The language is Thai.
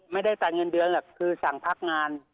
ไม่ได้ตัดเงินเดือนแหละคือสั่งพักงาน